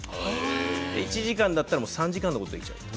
１時間だったら３時間のことができてしまう。